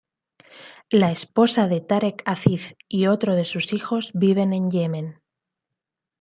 La esposa de Tarek Aziz y otro de sus hijos viven en Yemen.